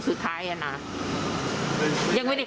ลูกไข้ยืนหยั่นยางเดียว